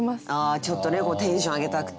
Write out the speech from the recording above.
ちょっとねテンション上げたくて。